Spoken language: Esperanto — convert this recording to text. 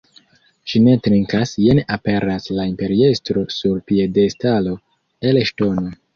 Ŝi ne trinkas, jen aperas la imperiestro sur piedestalo el ŝtono.